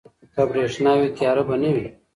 که برښنا وي، تیاره به نه وي.